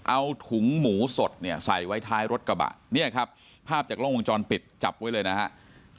เอาถุงหมูสดเนี่ยใส่ไว้ท้ายรถกระบะเนี่ยครับภาพจากกล้องวงจรปิดจับไว้เลยนะครับ